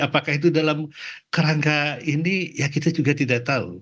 apakah itu dalam kerangka ini ya kita juga tidak tahu